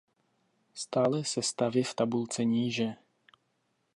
Stálé sestavy v tabulce níže.